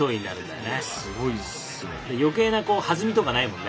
よけいな弾みとかないもんね。